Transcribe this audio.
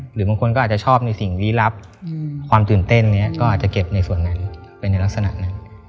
หรือบางคนก็อาจจะชอบในสิ่งลี้ลับความตื่นเต้นนี้ก็อาจจะเก็บในส่วนนั้นไปในลักษณะนั้น